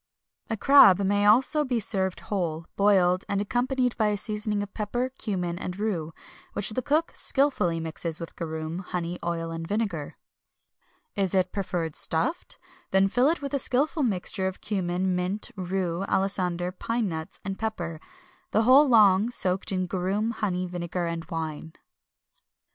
A crab may also be served whole, boiled, and accompanied by a seasoning of pepper, cummin, and rue, which the cook skilfully mixes with garum, honey, oil, and vinegar.[XXI 269] Is it preferred stuffed? Then fill it with a skilful mixture of cummin, mint, rue, alisander, pine nuts, and pepper, the whole long soaked in garum, honey, vinegar, and wine.